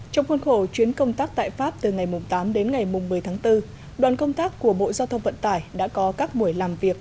trong khuôn khổ chuyến công tác tại pháp từ ngày tám đến ngày một mươi tháng bốn đoàn công tác của bộ giao thông vận tải đã có các buổi làm việc